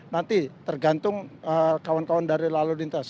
nanti tergantung kawan kawan dari lalu lintas